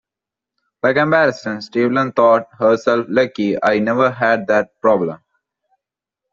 By comparison, Stapleton thought herself lucky: I never had that problem.